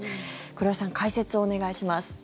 黒井さん、解説をお願いします。